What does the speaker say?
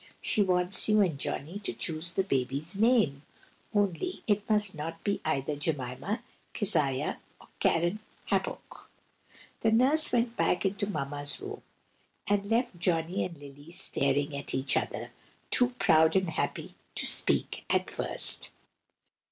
She wants you and Johnny to choose the baby's name, only it must not be either Jemima, Keziah or Keren Happuch." The Nurse went back into Mamma's room, and left Johnny and Lily staring at each other, too proud and happy to speak at first.